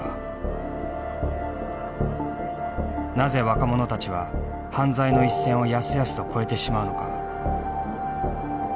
なぜ若者たちは犯罪の一線をやすやすと越えてしまうのか。